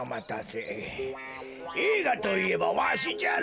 えいがといえばわしじゃろ。